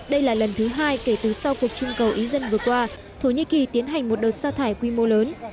đây là lần thứ hai kể từ sau cuộc trưng cầu ý dân vừa qua thổ nhĩ kỳ tiến hành một đợt xa thải quy mô lớn